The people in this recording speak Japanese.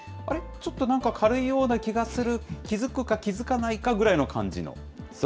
ちょっとなんか軽いような気がする、気付くか気付かないかぐらいの感じの？